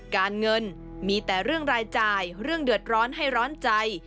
การเงินมีแต่เรื่องรายจ่ายเรื่องเดือดร้อนให้ร้อนใจ